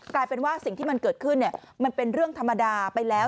กลายเป็นว่าสิ่งที่มันเกิดขึ้นมันเป็นเรื่องธรรมดาไปแล้ว